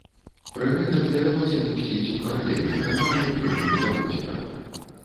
Пры гэтым давялося пусціць у паралельны канал у кірунку да возера.